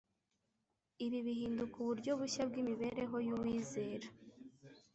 Ibi bihinduka uburyo bushya bw'imibereho y'uwizera.